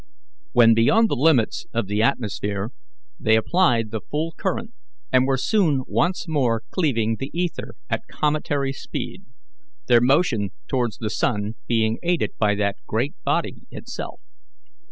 When beyond the limits of the atmosphere they applied the full current, and were soon once more cleaving the ether at cometary speed, their motion towards the sun being aided by that great body itself.